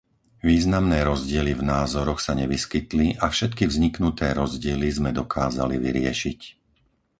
Významné rozdiely v názoroch sa nevyskytli a všetky vzniknuté rozdiely sme dokázali vyriešiť.